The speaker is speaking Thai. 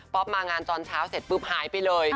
มางานตอนเช้าเสร็จปุ๊บหายไปเลย